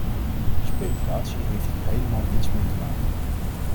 Speculatie heeft hier helemaal niets mee te maken.